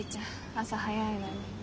朝早いのに。